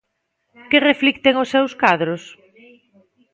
Que reflicten os seus cadros?